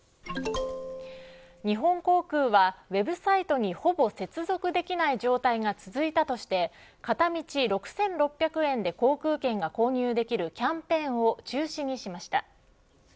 日本航空はＷＥＢサイトにほぼ接続できない状態が続いたとして片道６６００円で航空券が購入できるキャンペーンを中止にしました。